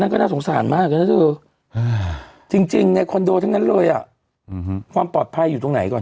ก็น่าสงสารมากนะเธอจริงในคอนโดทั้งนั้นเลยอ่ะความปลอดภัยอยู่ตรงไหนก่อน